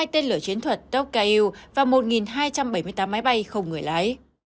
hai tên lửa chiến thuật tok ka u và một hai trăm bảy mươi tám máy bay không người lái